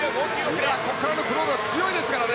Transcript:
ここからのクロールは強いですからね。